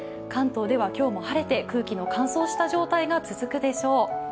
関東では今日も晴れて空気の乾燥した状態が続くでしょう。